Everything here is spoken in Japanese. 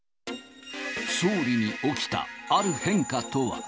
総理に起きたある変化とは。